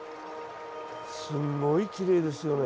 すごいきれいですよね。